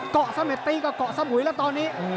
เกาะเสม็ดตีกับเกาะสมุยแล้วตอนนี้